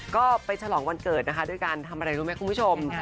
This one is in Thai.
ก็ไปฉลองวันเกิดนะคะด้วยการทำอะไรรู้ไหมคุณผู้ชม